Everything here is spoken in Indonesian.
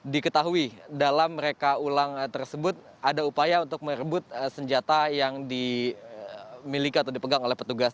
diketahui dalam reka ulang tersebut ada upaya untuk merebut senjata yang dimiliki atau dipegang oleh petugas